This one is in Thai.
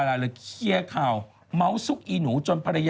คุณต๊อตก็บุกแฟนเพจป้าย